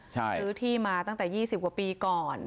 ซื้อที่มาตั้งแต่๒๐กว่าปีก่อน